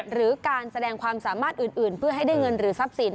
หรือการแสดงความสามารถอื่นเพื่อให้ได้เงินหรือทรัพย์สิน